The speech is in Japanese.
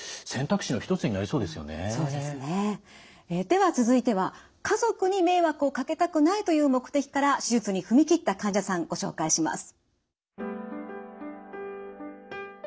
では続いては家族に迷惑をかけたくないという目的から手術に踏み切った患者さんご紹介します。